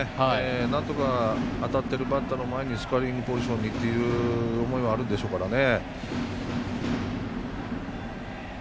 なんとか当たってるバッターの前にスコアリングポジションっていう思いはあるでしょうからね。